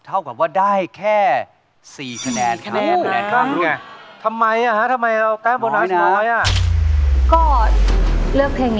เท่ากับว่าได้แค่๔คะแนนครับ